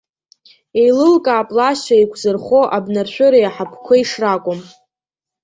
Еилылкаап лашьцәа еиқәзырхо абнаршәыреи аҳаԥқәеи шракәым.